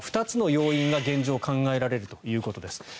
２つの要因が現状考えられるということです。